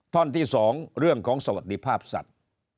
ท่อนที่๒เรื่องของสวัสดิภาพสัตว์